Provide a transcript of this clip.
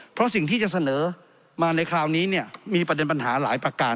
เพราะสิ่งที่จะเสนอมาในคราวนี้เนี่ยมีประเด็นปัญหาหลายประการ